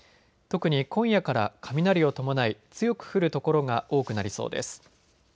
特に今夜から雷を伴い強く降る所が多くなりそうです。